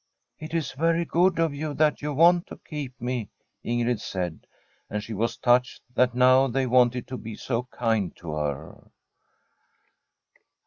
* It is very good of you that you want to keep me,' Ingrid said. And she was touched that now they wanted to be so kind to her.